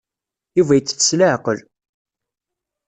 Yuba ittett s leɛqel.